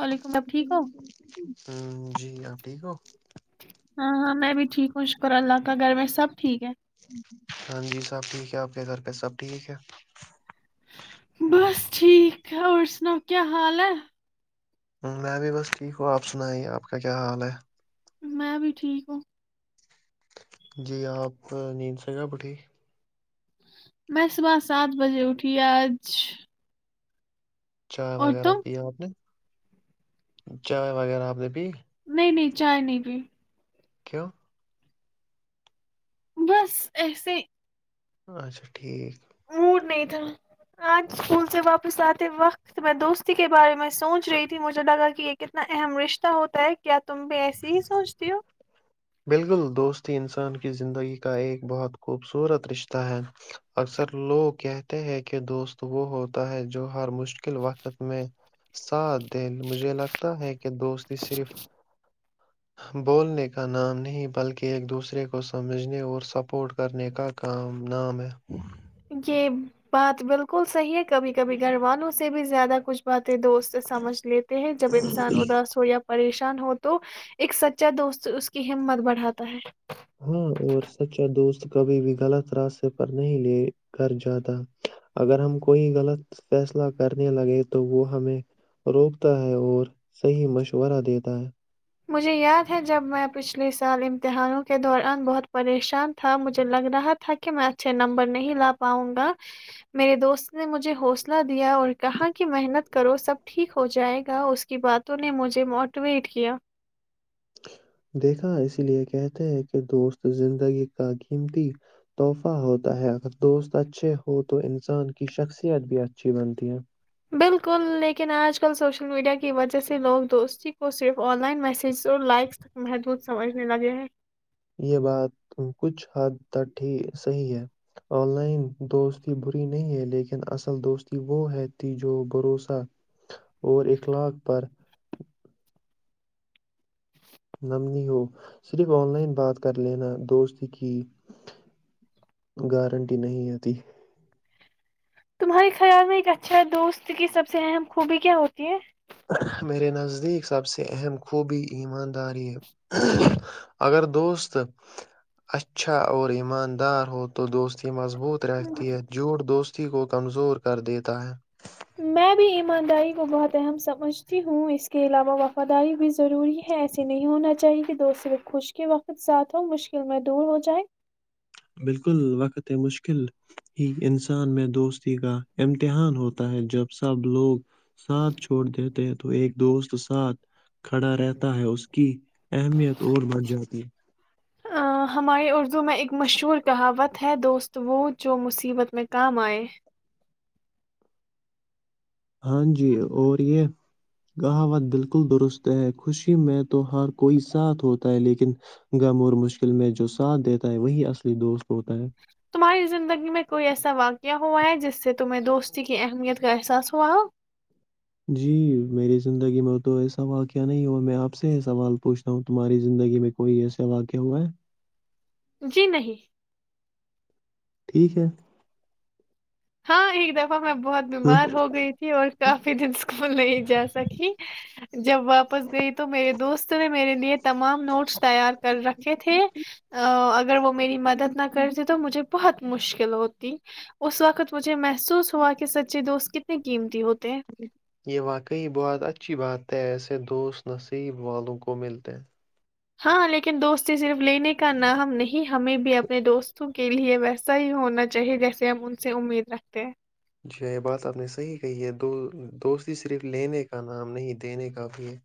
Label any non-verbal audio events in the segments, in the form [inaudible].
وعلیکم آپ ٹھیک ہو ہ جی آپ ٹھیک ہو ہاں ہاں میں بھی ٹھیک ہوں شکر اللہ کا گھر میں سب ٹھیک ہے ہاں جی سب ٹھیک ہے آپ چز رپ سب ٹھیک ہے ہے بس ٹھیک اور سناؤ کیا حال ہے میں بھی بس ٹھیک ہوں آپ سنائی آپ کا کیا حال ہے میں بھی ٹھیک ہوں جی آپ نیند سے گا بٹھی میں صبح سات بجے اٹھی آج چائے اور وغیرہ تم پیا آپ نے چائے وغیرہ آپ نے بھیھی نہیں نہیں چاہائے نہیں بھی کو بس ایسے اچھا ٹھیک موڈ نہیں تھا آج اسکول سے واپس آتے وقت میں دوستی کے بارے میں سوچ رہی تھی مجھے لگا کہ یہ کتنا اہم رشتہ ہوتا ہے کیا تم بھی ایسی ہی سوچتی ہو بالکل دوستی انسان کی زندگی کا ایک بہت خوبصورت رشتہ ہے اکثر لوگ کہتے ہیں کہ دوست وہ ہوتا ہے جو ہر مشل مشکل وقت میں سات دن مجھے لگتا ہے کہ دوستی صرف بولنے کا کا نام نہیں بلکہ ایک دوسرے کو سمجھنے اور سپورٹ کر کرنے کا کام نام ہے ہ یہ بات بالکل صحیح ہے کبھی کبھی گھر والوں سے بھی زیادہ کچھ بات دوست سے سمجھ لیتے ہیں جب انسان اداس ہو یا پریشان ہو تو ایک سچا دوست اس کی ہمت بڑھاتا ہے ہاں اور سچا دوست کبھی بھی غلط راستے پر نہیں لے کر جاتا اگر ہم کوئی غلط فیصلہ کرنے لگے تو وہ ہمیں روکتا ہے اور صحیح مشورہ دیتا ہے مجھے یاد ہے جب میں پچھلے سال امتحانوں کے دوران بہت پریشان تھا مجھے لگ رہا تھا کہ میں اچھے نمبر نہیں لا پاؤں گا میرے دوست نے مجھے حوصلہ دیا اور کہا کہ محنت کرو سب ٹھیک ہو جائے گا اس کی باتوں نے مجھے موٹیویٹ کیا دیکھا اس لیے کہتے ہیں کہ دوست زندگی کا قیمتی تحفہ ہوتا ہے اگر دوست اچھے ہو تو انسان کی شخصیت بھی اچھی بنتی ہے بالکل لیکن آج کل سوشل میڈیا کی وجہ سے لوگ دوستی کو صرف آن لائن میسیجز اور لائکس تک محدود سمجھنے لگے ہیں یہ بات کچھ حد تک صحیح ہے آن لائن دوستی بری نہیں ہے لیکن اصل دوستی وہ ہے تھی جو بھروسہ اور اخلاق پر نمنی ہو صرف آن لائن بات کر لینا دوست کی گارنٹی نہیں آتی تمہارے خیال میں ایک اچھا دوست کی سب سے اہم خوبی کیا ہوتی ہے میرے نزدیک سب سے اہم خوبی ایمانداری ہے اگر دوست اچھا اور ایماندار ہو تو دوست مضبوط رہتی ہے جھوھ دوست کو کمزور کر دیتا ہے [unintelligible] میں بھی ایمانداری کو بہت اہم سمجھتی ہوں اس کے علاوہ وفاداری بھی ضروری ہے ایسے نہیں ہونا چاہیے کہ دو صرے خوش کے وقت ساتھ ہووں مشکل میں دور ہو جائے بالکل وقت مشکل ہی انسان میں دوستی کا امتحان ہوتا ہے جب سب لوگ ساتھ چھوڑ دیتے ہیں تو ایک دوست ساتھ کھڑا رہتا ہے اس کی اہمیت اور بھ جاتی ہے ہماری اردو میں ایک مشہور کہاوت ہے دوست وہ جو مصیبت میں کام ائے ہاں جی اور یہ کہاوت بالکل درست ہے خوشی میں تو ہر کوئی ساتھ ہوتا ہے لیکن غم اور مشکل میں جو ساتھ دیتا ہے وہی اصلی دوست ہوتا ہے تمہاری زندگی میں کوئی ایسا واقعہ ہوا ہے جس اس سے تمہیں دوستی کی اہمیت کا احساس ہوا جی میری زندگی میں تو ایسا واقعہ نہیں ہوا میں آپ سے ہی سوال پوچھتا ہوں تمہاری زندگی میں کوئی ایسا واقعہ ہوا ہے جی نہیں ٹھیک ہے ہاں ہی دا میں بہت بیمار ہو گئی تھی اور کافی دن اسکول نہیں جا سکی جب واپس گئی تو میرے دوست نے میرے لیے تمام نوٹس تیار کر رکھے تھے اگر وہ میری مدد نہ کرتے تو مجھے [unintelligible] بہت مشکل ہوتی اس وقت مجھے محسوس ہوا کہ سچی دوست کتنی قیمتی ہو تو یہ واقعی بہت اچھی بات ہے ایس دوست نصیب والوں کو ملتے ہیں [unintelligible] ہاں لیکن دوستی صرف لینے کا نام نہیں ہمیں بھی اپنے دوستوں [unintelligible] کے لیے ویسا ہی ہونا چاہیے جیسے ہم ان سے امید رکھتے ہیں [unintelligible] جی یہ بات آپ نے صحیح کہی ہے دو دوستی صرف لینے کا نام نہیں دینے کا بھی ہے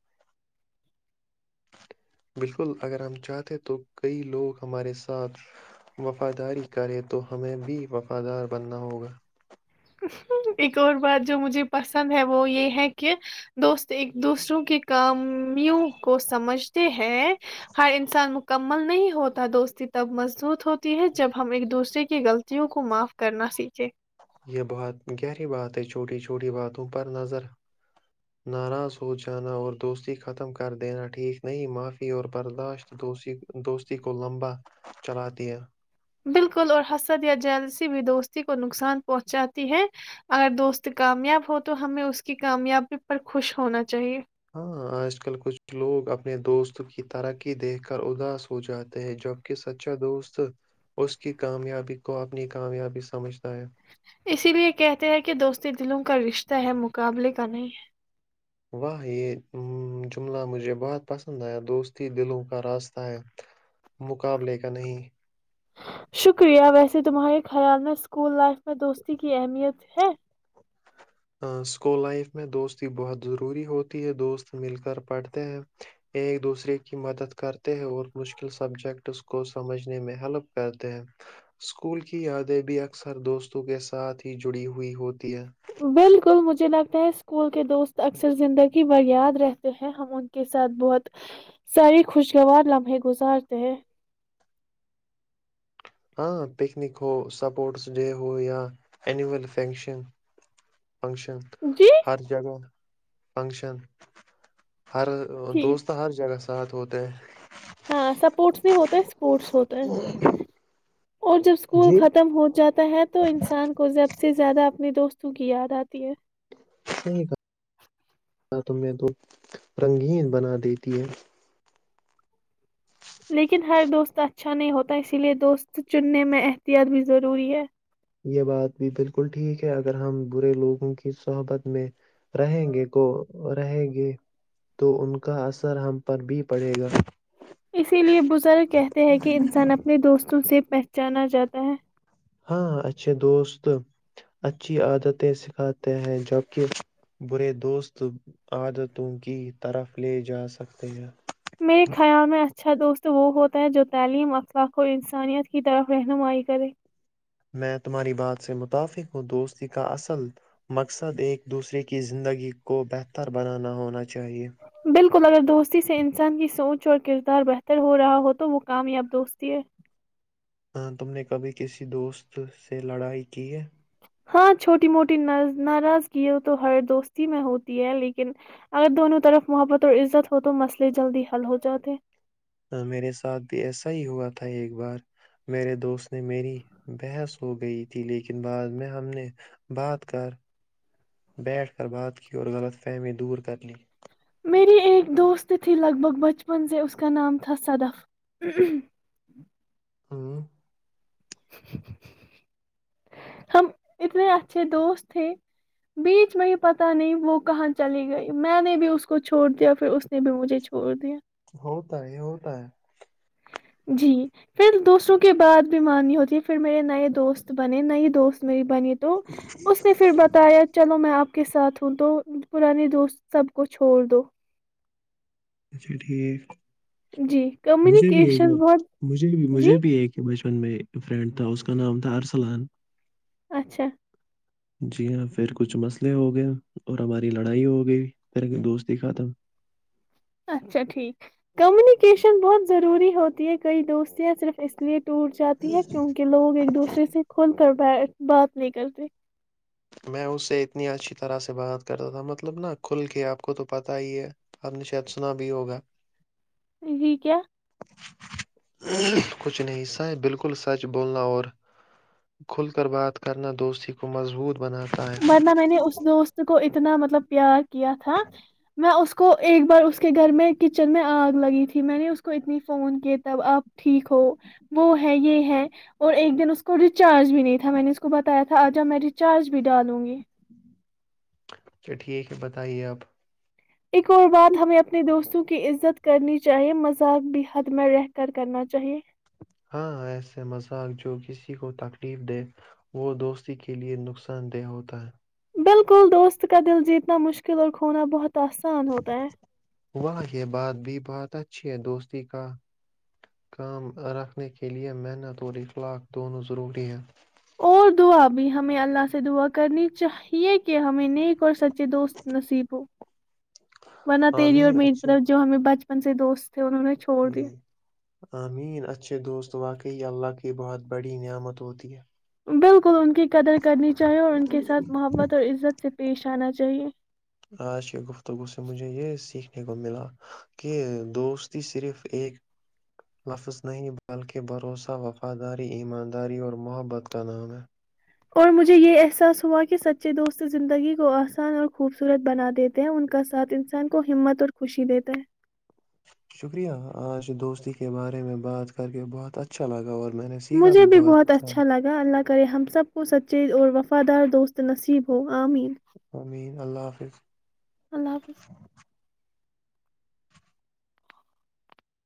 بالکل اگر ہم چاہتے تو کئی لوگ ہمارے ساتھ وفاداری کرے تو ہمیں بھی وفادار بننا ہوگا ایک اور بات جو مجھے پسند ہے وہ یہ ہے کہ دوست ایک دوسروں کے کاموں کو سمجھتے ہیں ہر انسان مکمل نہیں ہوتا دوستی تب مضبوط ہوتی ہے جب ہم ایک دوسرے کی غلطیوں کو معاف کرنا سیکھے یہ بہات گہری بات ہے چھوٹی چھوٹی باتوں پر نظر ناراض ہو جانا اور دوستی ختم کر دینا ٹھیک نہیں معافی اور برداشت دوستی دوستی کو لمبا چلات دیا [unintelligible] بالکل اور حسد یا جیلسی بھی دوستی کو نقصان پہنچاتی ہے اگر دوست کامیاب ہو تو ہمیں اس کی کامیابی پر خوش ہونا چاہیے ہاں آج کل کچھ لوگ اپنے دوست کی ترقی دیکھ کر اداس ہو جاتے ہیں جبک سچا دوست اس کی کامیابی کو اپنی کامیابی سمجھ اسی لیے کہتے ہیں کہ دوستی دلوں کا رشتہ ہے مقابلے ت نہیں [unintelligible] واہ یہ جملہ مجھے بہت پسند آیا دوستی دلوں کا راستہ ہے مقابلے کا نہیں شکریہ ویسے تمہارے خیال میں اسکول لائف میں دوستی کی اہمیت ہے [unintelligible] اسکول لائف میں دوستی بہت ضروری ہوتی ہے دوست مل کر پڑھتے ہیں ایک دوسرے کی مدد کرتے ہیں اور مشکل سبجیکٹ اس کو سمجھنے میں ہیلپ کرتے ہیں اسکول کی یادیں بھی اکثر دوستوں کے ساتھ ہی جڑی ہوئی ہوتی ہے بالکل [unintelligible] مجھے لگتا ہے اسکول کے دوست اکثر زندگی بر یاد رہتے ہیں ہم ان کے ساتھ بہت ساری خوشگوار لمحے گزارتے ہیں [unintelligible] ہاں پکنک ہو سپورٹس ڈے ہو یا اینول فنکشن فنکشن جی ہر جگہ [unintelligible] فنکشن [unintelligible] ہر جی دوست ہر جگہ سے ساتھ ہوتا ہے [unintelligible] ہاں سپورٹس نہیں ہوتا ہے اسپورٹس ہوتا ہے [unintelligible] اور جب اسکول جی ختم ہو جاتا ہے تو انسان کو زیادہ سب سے زیادہ اپنے دوستوں کی یاد آتی ہے صحی کا تمہیں تو رنگین بنا دیتی ہے لیکن ہر دوست اچھا نہیں ہوتا اسی لیے دوست چننے میں احتیاط بھی ضروری ہے یہ بات بھی بالکل ٹھیک ہے اگر ہم برے لوگوں کی صحبت میں رہیں گے کو رہیں گے تو ان کا اثر ہم پر بھی پڑے گا اسی لیے بزرگ کہتے ہیں کہ انسان اپنے دوستوں سے جانا جاتا ہے ہاں اچھے دوست اچھی عادتیں سکھاتے ہیں جوک برے دوست عادتوں کی طرف لے جا سکتے ہیں میرے خیال میں اچھا دوست وہ ہوتا ہے جو تعلیم اخلاق اور انسانیت کی طرف رہنمائی کرے میں تمہاری بات سے متفق ہوں دوستی کا اصل مقصد ایک دوسرے کی زندگی کو بہتر بنانا ہونا چاہیئے بالکل اگر دوستی سے انسان کی سوچ اور کردار بہتر ہو رہا ہو تو وہ کامیاب دوستی ہے ہاں تم نے کبھی کسی دوست سے لڑائی کی ہے ہاں چھوٹی موٹی ناراضگی تو ہر دوستی میں ہوتی ہے لیکن اگر دونوں طرف محبت اور عزت ہو تو مسئلے جلدی حل ہو جاتے ہ میرے ساتھ بھی ایسا ہی ہوا تھا ایک بار میرے دوست نے میری بحث ہو گئی تھی لیکن بعد میں ہم نے بات کر بیٹھ کر بات کی اور غلط فہمی دور کر لی میری ایک دوست تھی لگ بھگ بچپن سے اس کا نام تھا صدف ہوں [unintelligible] ہم اتنے اچھے دوست تھے بیچ میں پتا نہیں وہ کہاں چلی گئی میں نے بھی اس کو چھوڑ دیا پھر اس نے بھی مجھے چھوڑ دیا ہوتا ہے ہوتا ہے جی پھر دوسروں کے بعد بی مارنی ہوتی ہے پھر میرے نئے دوست بنے نئی دوست میری بنی تو اس نے پھر بتایا چلو میں آپ کو کے ساتھ ہوں تو پرانے دوست سب کو چھوڑ دو اچھا ٹھیک جی مجھے بھی ایک کمینیکیشن بہت جی پ میں فرینڈ تھا اس کا نام تھا ارسلان اچھا جی ہاں پھر کچھ مسئلے ہو گئے اور ہماری لڑائی ہو گئی پھر ایک دوستی ختم اچھا ٹھیک کمیونیکیشن بہت ضروری ہوتی ہے کئی دوستیاں صرف اس لیے ٹوٹ جاتی ہے کیونکہ لوگ ایک دوسرے سے کھل بات نہیں کرتے میں اس سے اتنی اچھی طرح سے بات کرتا تھا مطلب نا کھل کے آپ کو تو پتہ ہی ہے آپ نے شاید سنا بھی ہوگا جی کیا کچھ نہیں س بالکل سچ بولنا اور کھل کر بات کرنا دوستی کو مضبوط بناتا ہے ورنہ میں نے اس دوست کو اتنا مطلب پیار کیا تھا میں اس کو ایک بار اس کے گھر میں کچن میں آگ لگی تھی میں نے اس کو اتنی فون کی تب آپ ٹھیک ہو وہ ہے یہ ہے اور ایک دن اس کو ریچارج بھی نہیں تھا میں نے اس کو بتایا تھا آ جب میں ریچارج بھی ڈالوں گی چا ٹھیک ہے بتائیے آپ ایک اور بات ہمیں اپنے دوستوں کی عزت کرنی چاہیے مذاق بھی حد میں رہ کر کرنا چاہیے ہاں ایسے مذاق جو کسی کو تکلیف دے وہ دوستی کے لیے نقصان دہ ہوتا ہے بالکل دوست کا دل جیتنا مشکل اور کھونا بہت ت آسان ہوتا ہے واہ یہ بات بھی بہات اچھی ہے دوستی کا کام رکھنے کے لیے محنت اور اخلاق دونوں ضروری ہیں اور دعا بھی ہمیں اللہ سے دعا کرنی چاہیے کہ ہمیں نیک اور سچے دوست نصیب ہوں ون تری اور میری طرف جو ہمیں بچ مے دوست تھے انہوں نے چھوڑ دیا ج مین اچھ دوست و واقعی کہی اللہ کی بہت بڑی نعمت ہوتی ہے بالکل ان کی قدر کرنی چاہیے اور ان کے ساتھ محبت اور عزت سے پیش آنا چاہیے آج گفتگو س سےے مجھے یہ سیکھ کو ملا کہ دوستی صرف ایک لفظ نہیں بلکہ بھروسہ وفاداری ایمانداری اور محبت کا نام ہے اور مجھے یہ احساس ہوا کہ سچے دوست زندگی کو آسان اور خوبصورت بنا دیتے ہیں ان کا ساتھ انسان کو ہمت اور خوشی دیتا ہے شکریہ آج دوستی کے بارے میں بات کر کے بہت اچھا لگا اور مجھے بھی بہت اچھا لگا اللہ کرے ہم سب کو سچی اور وفادار دوست نصیب ہو عامین امین اللہ حافظ اللہ حافظ